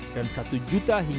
dan satu juta untuk perusahaan